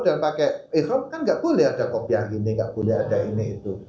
dan pakai ikhrop kan gak boleh ada kopi yang gini gak boleh ada ini itu